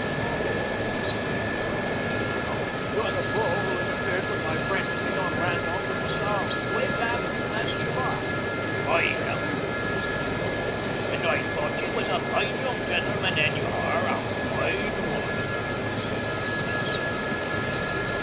"Oh," said Jimmy, "I've got you now. You're the bull who interfered with my friend and me on Randolph and La Salle way back last July." "I am," said O'Donnell, "and I thought ye was a foine young gentleman, and you are a foine one," he said with intense sarcasm.